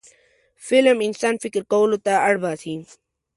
فلم انسان فکر کولو ته اړ باسي